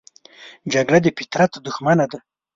جګړه د فطرت دښمنه ده